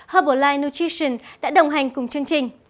herbalife nutrition đã đồng hành cùng chương trình